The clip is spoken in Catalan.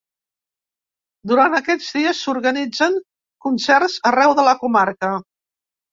Durant aquests dies, s’organitzen concerts arreu de la comarca.